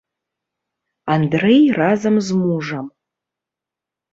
Андрэй разам з мужам.